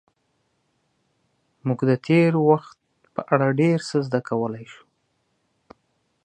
موږ د تېر وخت په اړه ډېر څه زده کولی شو.